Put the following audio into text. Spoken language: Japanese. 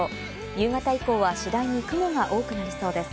夕方以降は次第に雲が多くなりそうです。